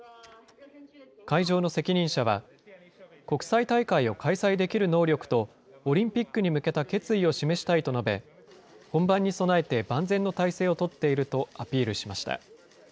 会場の責任者は、国際大会を開催できる能力と、オリンピックに向けた決意を示したいと述べ、本番に備えて万全の態勢を取っているとアピールしました。